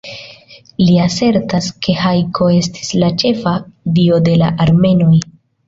Li asertas ke Hajko estis la ĉefa dio de la armenoj.